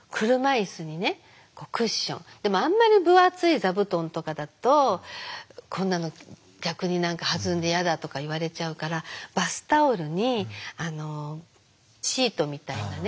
でもあんまり分厚い座布団とかだと「こんなの逆に何か弾んで嫌だ」とか言われちゃうからバスタオルにシートみたいなね